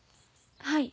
はい。